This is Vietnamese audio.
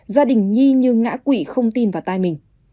gia đình nhi như ngã quỷ không tin vào tay mình